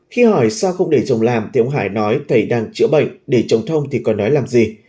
khi hỏi sao không để chồng làm thì ông hải nói thầy đang chữa bệnh để chồng thông thì còn nói làm gì